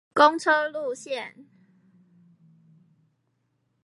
公車路線